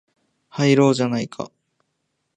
入ろうじゃないか